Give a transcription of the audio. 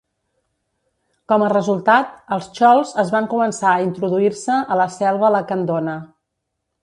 Com a resultat, els txols es van començar a introduir-se a la selva Lacandona.